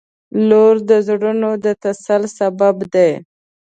• لور د زړونو د تسل سبب دی.